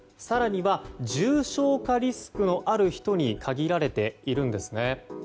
更には、重症化リスクのある人に限られているんですね。